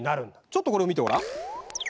ちょっとこれを見てごらん。